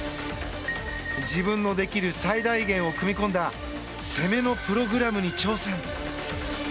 自分のできる最大限を組み込んだ攻めのプログラムに挑戦。